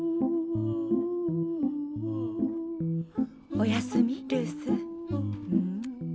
おやすみルース。